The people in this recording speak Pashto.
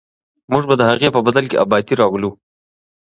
موږ به د هغې په بدل کې ابادي راولو.